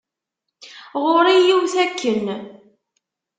Ɣur-i yiwet akken.